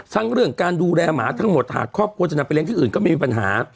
เรื่องการดูแลหมาทั้งหมดหากครอบครัวจะนำไปเลี้ยที่อื่นก็ไม่มีปัญหา